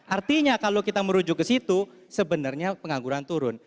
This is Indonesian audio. artinya kalau kita merujuk ke situ sebenarnya pengangguran turun